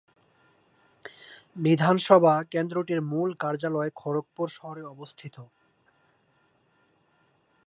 বিধানসভা কেন্দ্রটির মূল কার্যালয় খড়গপুর শহরে অবস্থিত।